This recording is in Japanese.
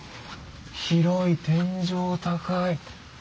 広い天井高い。